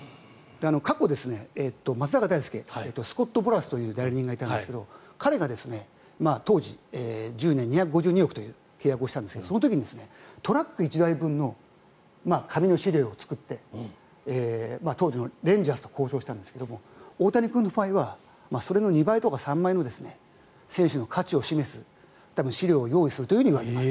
過去、松坂大輔スコット・ブラスという大倫がいたんですが彼が当時大金の契約をしたんですけど、その時にトラック１台分の紙の資料を作って当時のレンジャースと交渉したんですが大谷君の場合はそれの２倍とか３倍の選手の価値を示す資料を用意するといわれています。